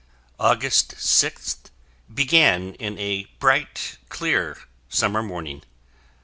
August 6th began in a bright, clear, summer morning.